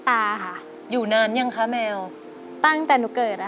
ทั้งในเรื่องของการทำงานเคยทำนานแล้วเกิดปัญหาน้อย